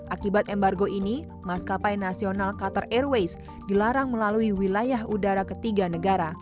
akibat embargo ini maskapai yang menyebutkan qatar sebagai pemerintah yang terkenal di dunia ini memiliki keputusan untuk mengembargo qatar